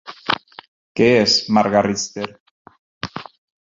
Què és Marga Richter?